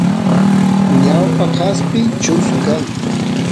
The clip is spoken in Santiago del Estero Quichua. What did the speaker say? ñawpa kaspi chusu kan